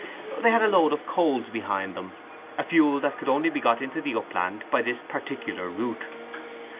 They had a load of coals behind them—a fuel that could only be got into the upland by this particular route.